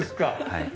はい。